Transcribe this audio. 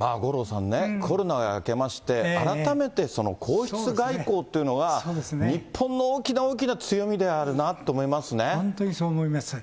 五郎さんね、コロナが明けまして、改めてその皇室が行こうというのは日本の大きな大きな強みである本当にそう思います。